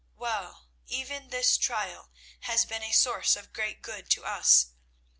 Well, even this trial has been a source of great good to us.